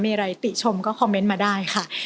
มีอะไรติชมก็คอมเมนต์มาได้ค่ะ